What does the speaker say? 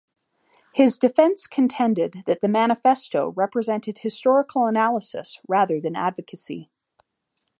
His defense contended that the Manifesto represented historical analysis rather than advocacy.